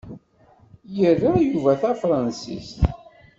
Ira Yuba tafransist.